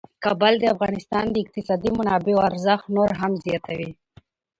کابل د افغانستان د اقتصادي منابعو ارزښت نور هم زیاتوي.